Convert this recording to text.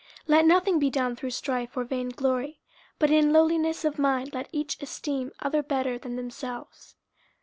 50:002:003 Let nothing be done through strife or vainglory; but in lowliness of mind let each esteem other better than themselves.